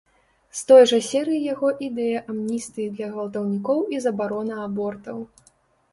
З той жа серыі яго ідэя амністыі для гвалтаўнікоў і забарона абортаў.